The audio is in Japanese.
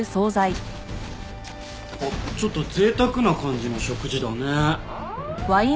ちょっと贅沢な感じの食事だね。